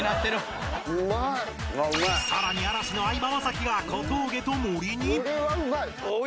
さらに嵐の相葉雅紀が小峠と森に